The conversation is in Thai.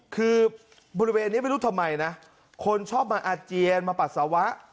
คือบริเวณนี้ไม่รู้ทำไมนะคนชอบมาอาเจียนมาปัสสาวะ